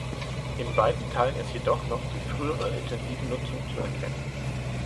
In weiten Teilen ist jedoch noch die frühere intensive Nutzung zu erkennen.